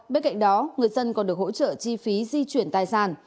bên cạnh đó người dân còn được hỗ trợ chi phí di chuyển tài sản